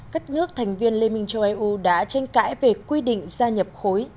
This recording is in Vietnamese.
các nước thành viên liên minh châu âu đã tranh cãi về quy định gia nhập khối